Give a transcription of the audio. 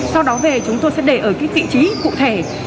sau đó về chúng tôi sẽ để ở cái vị trí cụ thể